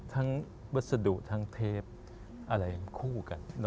วัสดุทั้งเทปอะไรคู่กัน